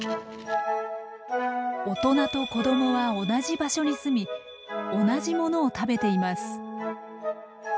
大人と子供は同じ場所にすみ同じものを食べています。